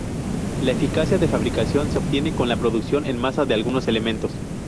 La eficacia de fabricación se obtiene con la producción en masa de algunos elementos.